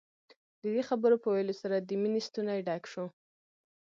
د دې خبرو په ويلو سره د مينې ستونی ډک شو.